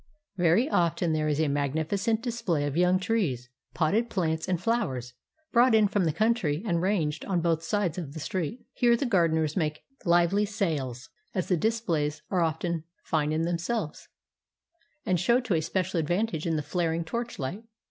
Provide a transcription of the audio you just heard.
Very often there is a magnificent display of young trees, potted plants, and flowers, brought in from the country and ranged on both sides of the street. Here the gardeners make hvely sales, as the displays are often fine in themselves, and show to a special advantage in the flaring torchlight.